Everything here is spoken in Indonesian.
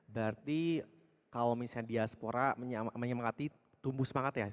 berarti kalau misalnya diaspora menyemangati tumbuh semangat ya